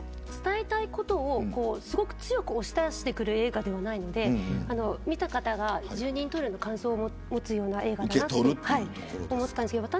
伝えたいことをすごく強く押し出してくる映画ではないので見た方が十人十色の感想を持つような映画だと思いました。